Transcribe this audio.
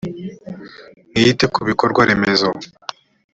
mwite kubikorwa remezo.